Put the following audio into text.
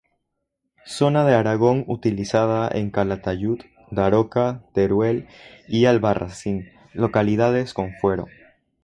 Zona de Aragón utilizada en Calatayud, Daroca, Teruel y Albarracín -localidades con fuero.